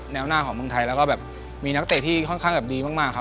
แนวหน้าของเมืองไทยแล้วก็แบบมีนักเตะที่ค่อนข้างแบบดีมากครับ